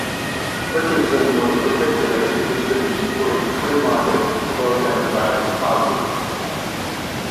Richardson was particularly interested in supporting free-market and pro-democratic causes.